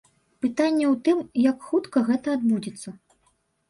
Пытанне ў тым, як хутка гэта адбудзецца.